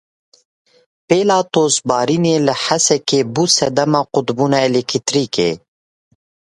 Pêla tozbarînê li Hesekê bû sedema qutbûna elektrîkê.